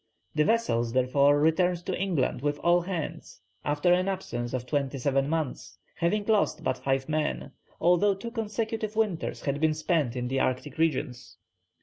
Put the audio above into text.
The vessels therefore returned to England with all hands after an absence of twenty seven months, having lost but five men, although two consecutive winters had been spent in the Arctic regions.